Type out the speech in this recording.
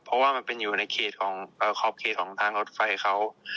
เพราะว่ามันเป็นอยู่ในเขตของขอบเขตของทางรถไฟเขา